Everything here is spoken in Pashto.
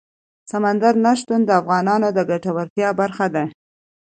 سمندر نه شتون د افغانانو د ګټورتیا برخه ده.